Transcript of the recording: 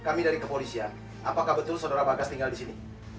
kami dari kepolisian apakah betul saudara bagas tinggal di sini